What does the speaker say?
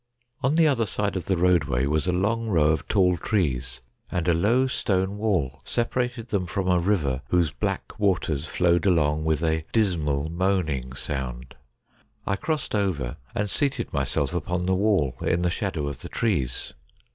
On the other side of the roadway was a long row of tall trees, and a low stonewall separated them from a river, whose black waters flowed along with a dismal, moaning sound. I crossed over and seated myself upon the wall, in the shadow of the trees.